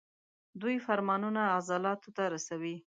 دوی فرمانونه عضلاتو ته رسوي.